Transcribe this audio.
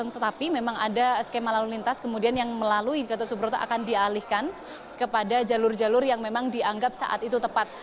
tetapi memang ada skema lalu lintas kemudian yang melalui gatot subroto akan dialihkan kepada jalur jalur yang memang dianggap saat itu tepat